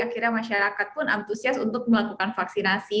akhirnya masyarakat pun antusias untuk melakukan vaksinasi